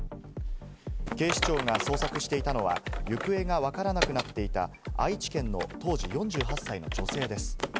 警視庁が捜索していたのは行方がわからなくなっていた愛知県の当時４８歳の女性です。